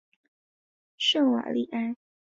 圣瓦利埃。